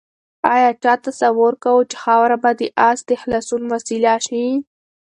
آیا چا تصور کاوه چې خاوره به د آس د خلاصون وسیله شي؟